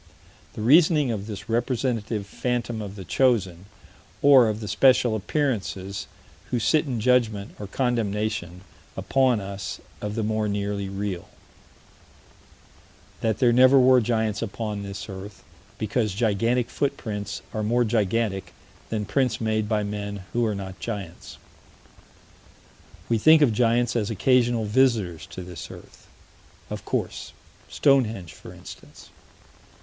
The reasoning of this representative phantom of the chosen, or of the spectral appearances who sit in judgment, or condemnation, upon us of the more nearly real: That there never were giants upon this earth, because gigantic footprints are more gigantic than prints made by men who are not giants. We think of giants as occasional visitors to this earth. Of course Stonehenge, for instance.